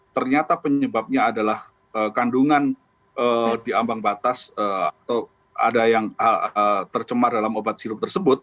ternyata penyebabnya adalah kandungan di ambang batas atau ada yang tercemar dalam obat sirup tersebut